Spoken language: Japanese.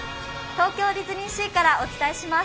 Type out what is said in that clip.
東京ディズニーシーからお届けします。